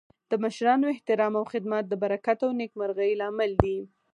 د مشرانو احترام او خدمت د برکت او نیکمرغۍ لامل دی.